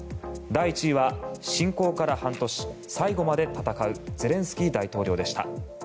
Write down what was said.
第１位は侵攻から半年最後まで戦うゼレンスキー大統領でした。